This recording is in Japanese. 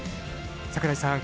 櫻井さん